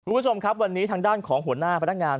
คุณผู้ชมครับวันนี้ทางด้านของหัวหน้าพนักงาน